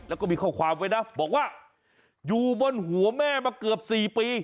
แล้วก็มีข้อความไว้นะบอกว่าอยู่บนหัวแม่มาเกือบ๔ปี